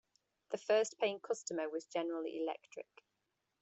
The first paying customer was General Electric.